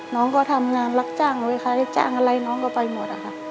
น้องก็ทำงานรับจ้างไว้ค่าจ้างอะไรน้องก็ไปหมดอะค่ะ